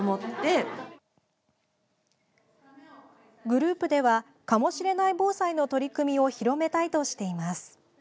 グループでは「かもしれない防災」の取り組みを広めたいとしています。